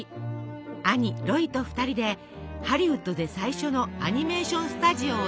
兄ロイと２人でハリウッドで最初のアニメーション・スタジオを設立。